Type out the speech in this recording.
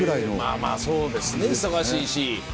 まぁまぁそうですね忙しいし。